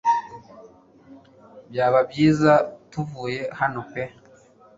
Byaba byiza tuvuye hano pe